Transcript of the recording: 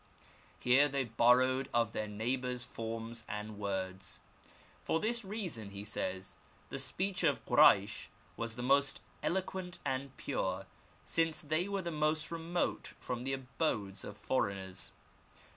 Here they borrowed of their neighbours forms and words. For this reason, he says, the speech of Ko raysh was the most eloquent and pure, since they were the most remote from the abodes of foreigners.